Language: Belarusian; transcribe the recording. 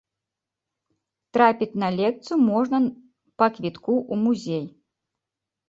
Трапіць на лекцыю можна па квітку ў музей.